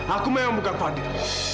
aku memang bukan fadil